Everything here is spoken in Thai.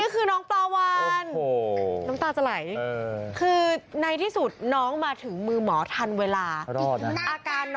คือร่วมด้วยช่วยกันทุกคน